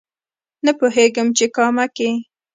نه پوهېږم چې کامه کې